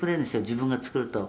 自分が作ると」